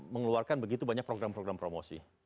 mengeluarkan begitu banyak program program promosi